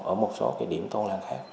ở một số điểm tôn làng khác